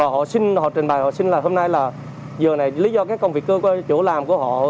họ trình bày là hôm nay là lý do công việc cơ của chủ làm của họ